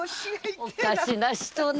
おかしな人ね。